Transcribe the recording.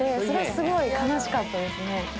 それはすごい悲しかったですね。